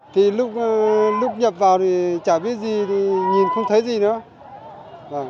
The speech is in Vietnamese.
thì lúc nhập vào thì chả biết gì thì nhìn không thấy gì nữa